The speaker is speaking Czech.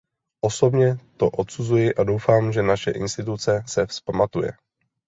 Osobně to odsuzuji a doufám, že naše instituce se vzpamatuje.